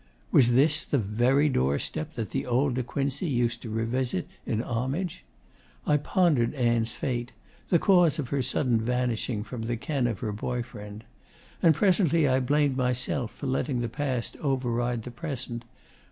Was this the very doorstep that the old De Quincey used to revisit in homage? I pondered Ann's fate, the cause of her sudden vanishing from the ken of her boy friend; and presently I blamed myself for letting the past over ride the present.